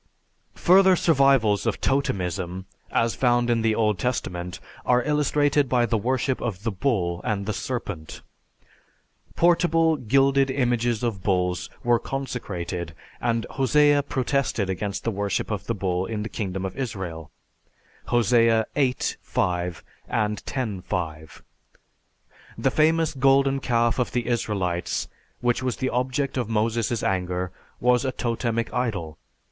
Further survivals of totemism as found in the Old Testament are illustrated by the worship of the bull and the serpent. Portable gilded images of bulls were consecrated and Hosea protested against the worship of the bull in the kingdom of Israel (Hos. VIII, 5; X, 5). The famous golden calf of the Israelites, which was the object of Moses' anger, was a totemic idol.